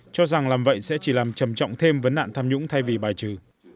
cho rằng làm vậy sẽ chỉ làm trầm trọng thêm vấn nạn tham nhũng thay vì bài trừ